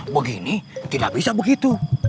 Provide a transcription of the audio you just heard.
begini tidak bisa begitu